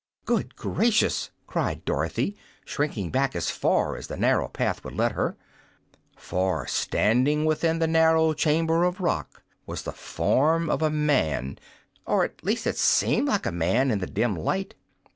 "Good gracious!" cried Dorothy, shrinking back as far as the narrow path would let her. For, standing within the narrow chamber of rock, was the form of a man or, at least, it seemed like a man, in the dim light.